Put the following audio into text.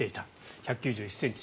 １９１ｃｍ。